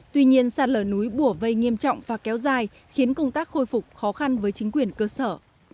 tuy nhiên sạt lở núi bùa vây nghiêm trọng và kéo dài khiến công tác khôi phục khó khăn với chính quyền cơ sở